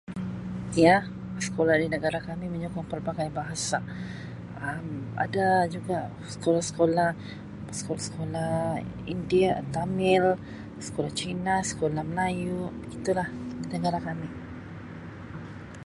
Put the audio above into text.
Ya sekolah di negara kami menyokong pelbagai bahasa Um ada juga sekolah-sekolah sekolah-sekolah India Tamil sekolah Cina sekolah Melayu ya begitu lah di negara kami.